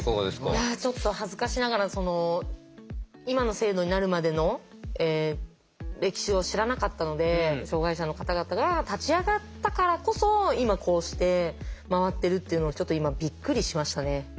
いやちょっと恥ずかしながら今の制度になるまでの歴史を知らなかったので障害者の方々が立ち上がったからこそ今こうして回ってるっていうのちょっと今びっくりしましたね。